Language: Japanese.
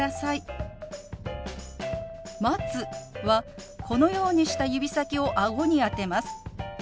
「待つ」はこのようにした指先をあごに当てます。